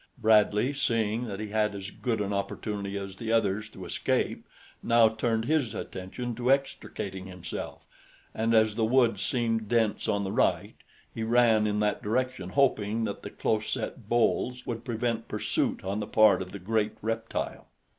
Bradley, seeing that he had as good an opportunity as the others to escape, now turned his attention to extricating himself; and as the woods seemed dense on the right, he ran in that direction, hoping that the close set boles would prevent pursuit on the part of the great reptile.